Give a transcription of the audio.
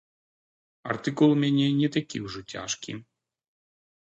Артыкул у мяне не такі ўжо цяжкі.